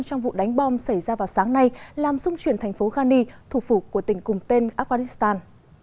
trong vụ đánh bom xảy ra vào sáng nay làm dung chuyển thành phố ghani thủ phủ của tỉnh cùng tên afghanistan